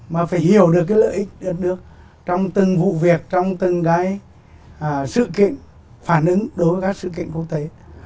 mà phải hiểu được cái lợi ích đất nước trong từng vụ việc trong từng cái sự kiện phản ứng đối với các sự kiện quốc tế